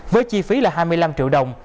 với chi phí là hai mươi năm triệu đồng